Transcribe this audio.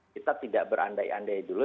kita tidak berandai andai dulu